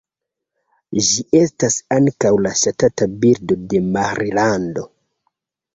Ĝi estas ankaŭ la ŝtata birdo de Marilando.